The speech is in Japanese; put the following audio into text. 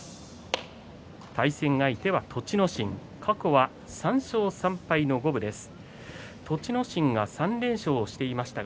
対戦相手は栃ノ心、過去は３勝３敗の五分です。